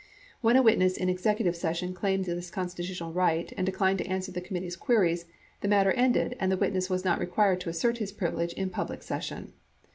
When a witness in executive session claimed this constitutional right and declined to answer the committee's queries, the matter ended and the witness was not required to assert his privilege in public session.